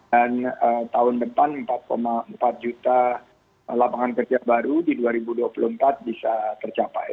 dan tahun depan empat empat juta lapangan kerja baru di dua ribu dua puluh empat bisa tercapai